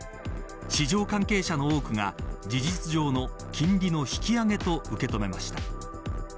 市場関係者の多くが事実上の金利の引き上げと受け止めました。